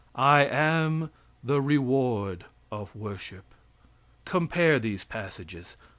I am the reward of worship." Compare these passages.